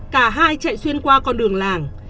cả hai chạy xuyên qua con đường làng